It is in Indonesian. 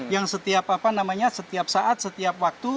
yang setiap apa namanya setiap saat setiap waktu